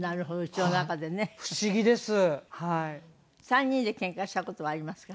３人でケンカした事はありますか？